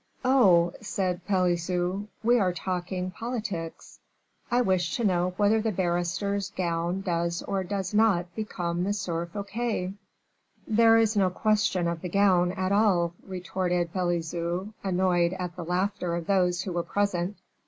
"Oh!" said Pelisson, "we are talking politics." "I wish to know whether the barrister's gown does or does not become M. Fouquet." "There is no question of the gown at all," retorted Pelisson, annoyed at the laughter of those who were present.